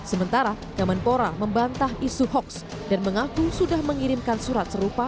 sementara kemenpora membantah isu hoax dan mengaku sudah mengirimkan surat serupa